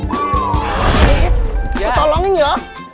kau tolongin ya